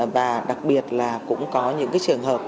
và đặc biệt là cũng có những trường hợp